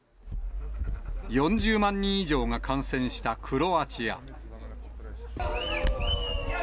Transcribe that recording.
４０万人以上が感染したクロアチア。